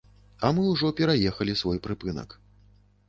А мы ўжо праехалі свой прыпынак.